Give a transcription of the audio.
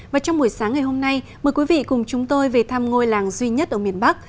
và trong buổi sáng ngày hôm nay mời quý vị cùng chúng tôi về thăm ngôi làng duy nhất ở miền bắc